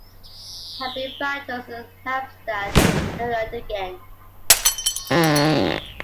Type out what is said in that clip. There have been battles in Helmstadt and Uettingen.